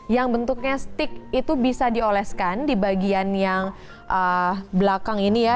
yang bentuknya stick itu bisa dioleskan di bagian yang belakang ini ya